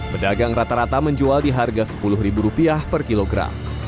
pedagang rata rata menjual di harga rp sepuluh per kilogram